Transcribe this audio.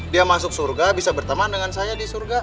dia masuk surga bisa berteman dengan saya di surga